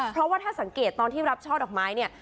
เพราะว่าถ้าสังเกตตอนที่รับช่อดอกไม้เนี่ย